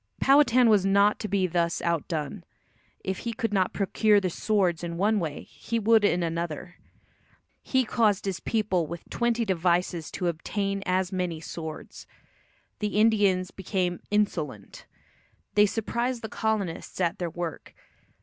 Powhatan was not to be thus outdone. If he could not procure the swords in one way he would in another. "He caused his people with twenty devices to obtain" as many swords. The Indians became "insolent." They surprised the colonists at their work.